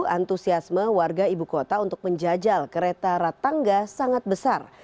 antusiasme warga ibu kota untuk menjajal kereta ratangga sangat besar